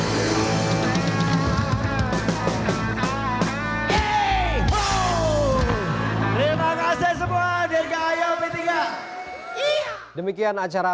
ya di bangun kes seine sini